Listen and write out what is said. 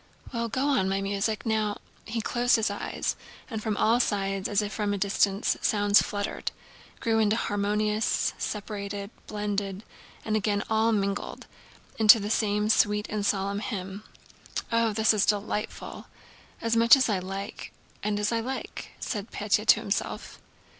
Well, go on, my music! Now!..." He closed his eyes, and, from all sides as if from a distance, sounds fluttered, grew into harmonies, separated, blended, and again all mingled into the same sweet and solemn hymn. "Oh, this is delightful! As much as I like and as I like!" said Pétya to himself.